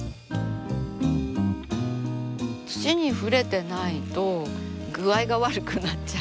土に触れてないと具合が悪くなっちゃう。